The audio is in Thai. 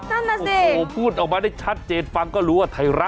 นั่นแหละสิโอ้โหพูดออกมาได้ชัดเจนฟังก็รู้ว่าไทยรัฐ